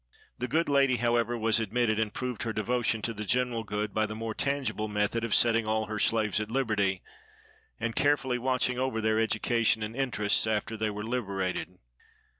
The good lady, however, was admitted, and proved her devotion to the general good by the more tangible method of setting all her slaves at liberty, and carefully watching over their education and interests after they were liberated.